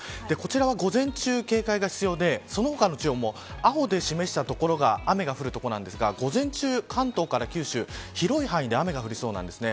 こちらは午前中、警戒が必要でその他の地方は青で示した所が雨が降る所ですが午前中、関東から九州広い範囲で雨が降りそうです。